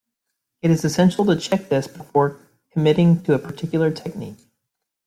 It is essential to check this before committing to a particular technique.